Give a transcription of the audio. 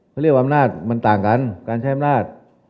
เขาเรียกว่าอำนาจมันต่างกันการใช้อำนาจ